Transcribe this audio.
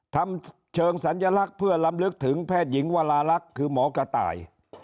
ทำเชิงสัญลักษณ์เพื่อลำลึกถึงแพทย์หญิงวราลักษณ์คือหมอกระต่าย